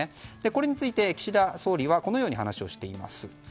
これについて、岸田総理はこのように話をしています。